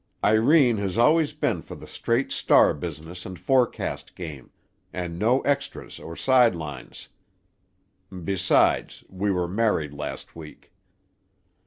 Irene has always been for the straight star business and forecast game, and no extras or side lines. Besides, we were married last week.